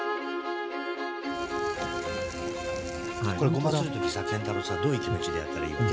ごまする時さ建太郎さどういう気持ちでやったらいいわけ？